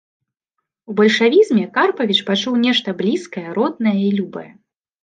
У бальшавізме Карпавіч пачуў нешта блізкае, роднае і любае.